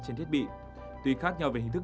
trên thiết bị tuy khác nhau về hình thức